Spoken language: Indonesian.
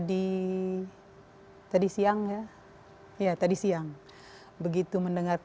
duga duanya jadi keluarga di negara yang di challenge